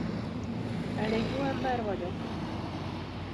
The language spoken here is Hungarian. Elég jó ember vagyok?